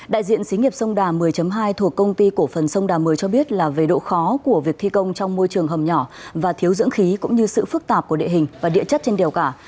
đại diện xí nghiệp sông đà một mươi hai thuộc công ty cổ phần sông đà một mươi cho biết là về độ khó của việc thi công trong môi trường hầm nhỏ và thiếu dưỡng khí cũng như sự phức tạp của địa hình và địa chất trên đèo cả